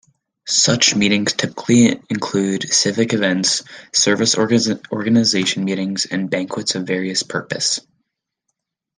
Such meetings typically include civic events, service organization meetings, and banquets of various purpose.